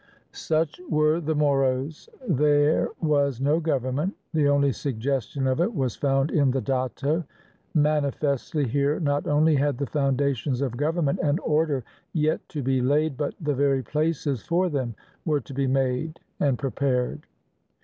Such were the Moros. There was no government. The only suggestion of it was found in the datto. Mani festly here not only had the foundations of government and order yet to be laid, but the very places for them were to be made and prepared.